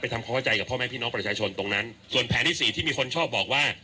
ทำความเข้าใจกับพ่อแม่พี่น้องประชาชนตรงนั้นส่วนแผนที่สี่ที่มีคนชอบบอกว่า